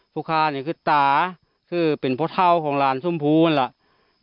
ลูกค้านี่คือตาคือเป็นพ่อเท่าของหลานชมพูนั่นแหละ